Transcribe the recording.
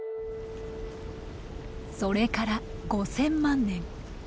それから５，０００万年。